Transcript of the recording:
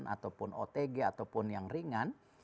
ataupun otg ataupun yang ringan